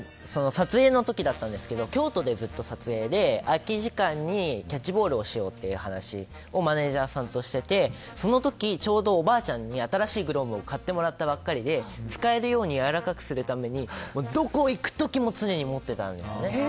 撮影の時だったんですけど京都でずっと撮影で空き時間にキャッチボールをしようという話をマネジャーさんとしていてちょうどおばあちゃんに新しいグローブを買ってもらったばかりで使えるようにやわらかくするためにどこ行く時も常に持っていたんです。